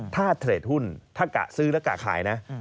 ถ้าเทรดหุ้นถ้ากะซื้อแล้วกะขายนะ